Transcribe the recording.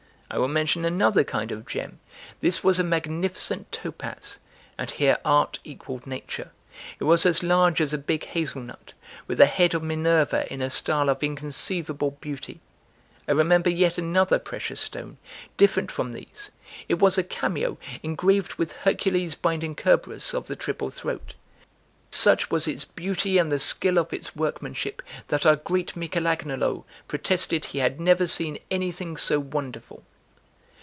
I will mention another kind of gem; this was a magnificent topaz; and here art equalled nature; it was as large as a big hazel nut, with the head of Minerva in a style of inconceivable beauty. I remember yet another precious stone, different from these; it was a cameo, engraved with Hercules binding Cerberus of the triple throat; such was its beauty and the skill of its workmanship, that our great Michel Agnolo protested he had never seen anything so wonderful.